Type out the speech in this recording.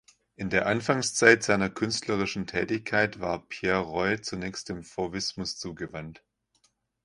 In der Anfangszeit seiner künstlerischen Tätigkeit war Pierre Roy zunächst dem Fauvismus zugewandt.